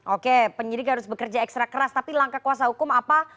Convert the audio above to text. oke penyidik harus bekerja ekstra keras tapi langkah kuasa hukum apa